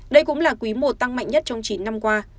đây cũng là quý i tăng mạnh nhất trong chín năm qua